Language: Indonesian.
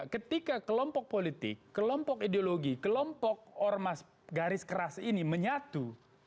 ketika kelompok politik kelompok ideologi kelompok ormas garis keras ini menyatu